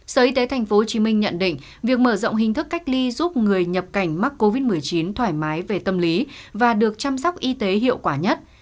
sở y tế tp hcm nhận định việc mở rộng hình thức cách ly giúp người nhập cảnh mắc covid một mươi chín thoải mái về tâm lý và được chăm sóc y tế hiệu quả nhất